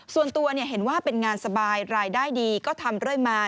ส่วนตัวเห็นว่าเป็นงานสบายรายได้ดีก็ทำเรื่อยมา